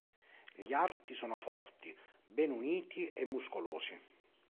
Gli arti sono forti, ben uniti e muscolosi.